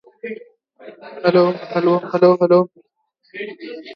The cloud's smell and skin damage to victims were not fully explained.